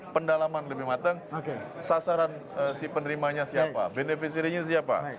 pendalaman lebih matang sasaran si penerimanya siapa beneficirinya siapa